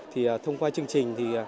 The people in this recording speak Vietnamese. thì thông qua chương trình